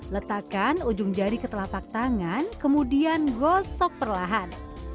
letakkan ujung jari ke telapak tangan kemudian gosok perlahan